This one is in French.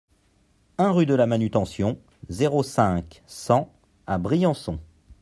un rue de la Manutention, zéro cinq, cent à Briançon